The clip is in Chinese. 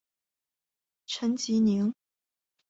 陈吉宁。